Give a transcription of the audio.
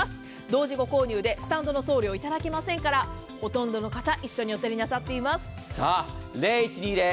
同時ご購入でスタンドの送料いただきませんから、ほとんどの方、一緒にお手になさっています。